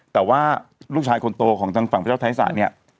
แต่ว่าลูกชายคนโตของทางฝั่งพระเจ้าไทยสระเนี่ย